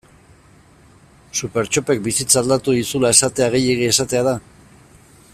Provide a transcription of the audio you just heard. Supertxopek bizitza aldatu dizula esatea gehiegi esatea da?